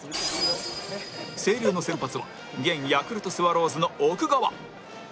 星稜の先発は現ヤクルトスワローズの奥川